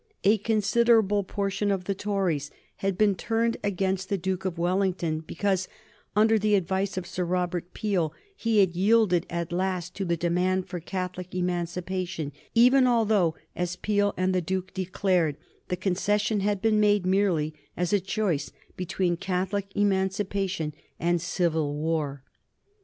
A considerable portion of the Tories had been turned against the Duke of Wellington because, under the advice of Sir Robert Peel, he had yielded at last to the demand for Catholic Emancipation, even although, as Peel and the Duke himself declared, the concession had been made merely as a choice between Catholic Emancipation and civil war.